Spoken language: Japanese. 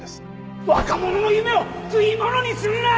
若者の夢を食い物にするな！！